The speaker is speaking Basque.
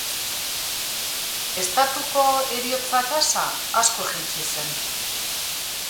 Estatuko heriotza-tasa asko jaitsi zen.